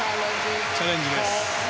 チャレンジです。